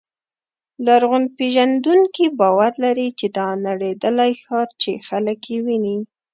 لرغونپېژندونکي باور لري چې دا نړېدلی ښار چې خلک یې ویني.